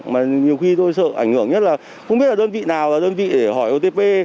mà nhiều khi tôi sợ ảnh hưởng nhất là không biết là đơn vị nào là đơn vị để hỏi otp